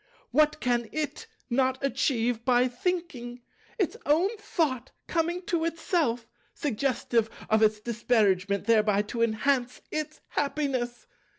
What can It not achieve by thinking! Its own Thought coming to Itself, suggestive of its disparagement, thereby to enhance Its happiness!